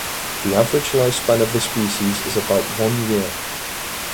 The average lifespan of the species is about one year.